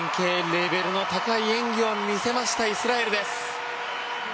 レベルの高い演技を見せましたイスラエルです。